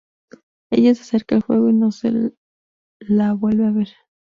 Ella se acerca al fuego y no se la vuelve a ver.